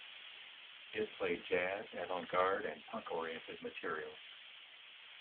It played jazz-, avant-garde- and punk- oriented material.